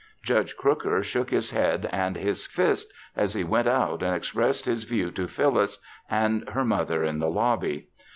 Judge Crooker shook his head and his fist as he went out and expressed his view to Phyllis and her mother in the lobby.